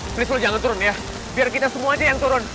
please lu jangan turun ya biar kita semua aja yang turun